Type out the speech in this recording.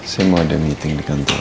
saya mau ada meeting di kantor